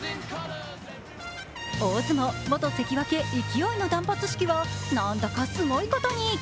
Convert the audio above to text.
大相撲、元関脇・勢の断髪式はなんだかすごいことに。